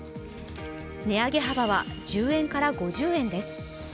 値上げ幅は１０円から５０円です。